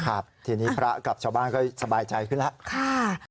ครับทีนี้พระกับชาวบ้านก็สบายใจขึ้นแล้ว